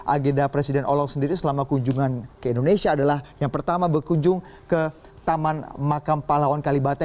agenda presiden holog sendiri selama kunjungan ke indonesia adalah yang pertama berkunjung ke taman makam palawan kalibata